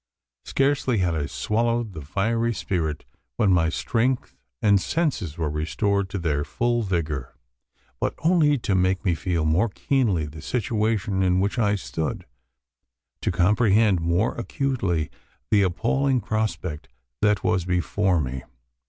Scarcely had I swallowed the fiery spirit when my strength and senses were restored to their full vigour but only to make me feel more keenly the situation in which I stood to comprehend more acutely the appalling prospect that was before me.